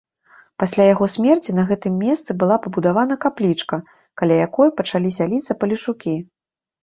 Пасля яго смерці на гэтым месцы была пабудавана каплічка, каля якой пачалі сяліцца палешукі.